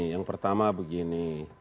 yang pertama begini